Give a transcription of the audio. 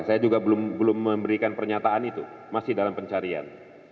saya juga belum memberikan pernyataan itu masih dalam pencarian